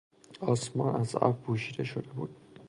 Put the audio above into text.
آسمان از ابر پوشیده شده بود.